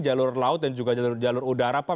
jalur laut dan juga jalur jalur udara pak